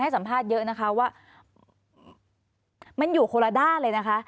สัมภาษณ์เยอะนะคะว่ามันอยู่คนละด้านเลยนะคะ